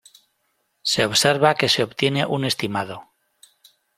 Se observa que se obtiene un estimado